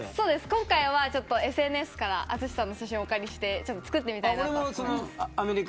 今回はＳＮＳから淳さんの写真をお借りして作ってみました。